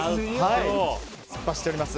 突っ走っております。